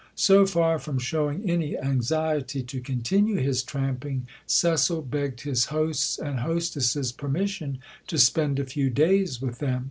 So far from showing any anxiety to continue his tramping, Cecil begged his host's and hostess's permission to spend a few days with them.